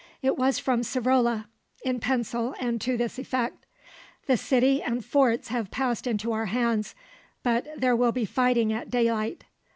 It was from Savrola, in pencil and to this effect: _The city and forts have passed into our hands, but there will be fighting at daylight.